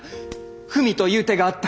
文という手があった。